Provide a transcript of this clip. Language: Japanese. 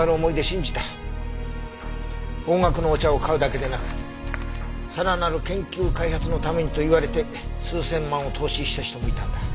高額のお茶を買うだけでなくさらなる研究開発のためにと言われて数千万を投資した人もいたんだ。